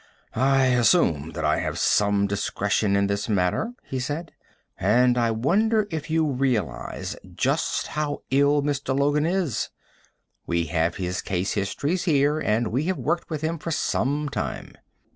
"I assume that I have some discretion in this matter," he said. "And I wonder if you realize just how ill Mr. Logan is? We have his case histories here, and we have worked with him for some time."